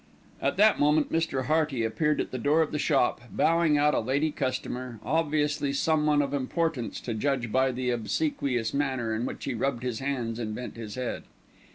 At that moment Mr. Hearty appeared at the door of the shop, bowing out a lady customer, obviously someone of importance to judge by the obsequious manner in which he rubbed his hands and bent his head.